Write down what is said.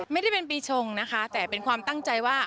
ไม่ได้เป็นปีชงนะคะแต่เป็นความตั้งใจว่า